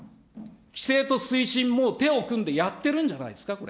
規制と推進も手を組んでやってるんじゃないんですか、これ。